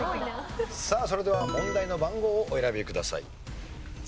さあそれでは問題の番号をお選びください。